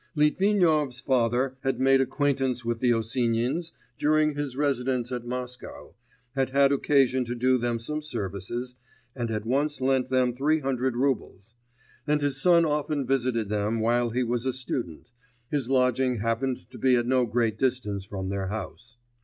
Litvinov's father had made acquaintance with the Osinins during his residence at Moscow, had had occasion to do them some services, and had once lent them three hundred roubles; and his son often visited them while he was a student; his lodging happened to be at no great distance from their house.